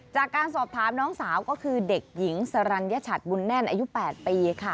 จากการสอบถามน้องสาวก็คือเด็กหญิงสรรยชัดบุญแน่นอายุ๘ปีค่ะ